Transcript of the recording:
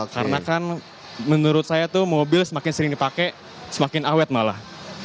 karena kan menurut saya tuh mobil semakin sering dipake semakin awet malah